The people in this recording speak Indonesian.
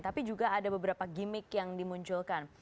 tapi juga ada beberapa gimmick yang dimunculkan